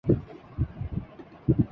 عامر Khan T Series کے گلشن کمار بنیں گے